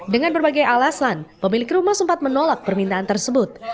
dengan berbagai alasan pemilik rumah sempat menolak permintaan tersebut